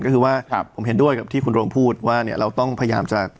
ก็คือว่าผมเห็นด้วยกับที่คุณโรงพูดว่าเนี่ยเราต้องพยายามจะ